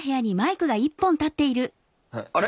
あれ？